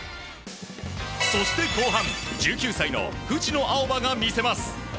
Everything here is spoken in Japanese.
そして後半１９歳の藤野あおばが魅せます。